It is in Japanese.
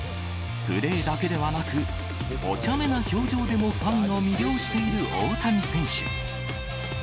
プレーだけではなく、おちゃめな表情でもファンを魅了している大谷選手。